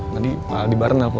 nanti pak aldebaran nelfon